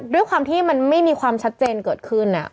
ด้วยความที่มันไม่มีความชัดเจนเกิดขึ้น